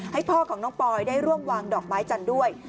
ให้พ่อของน้องปอยได้ร่วมวางดอกไม้จันทร์ด้วย